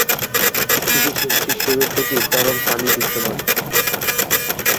পৃথিবীর সৃষ্টির শুরু থেকেই তরল পানি বিদ্যমান।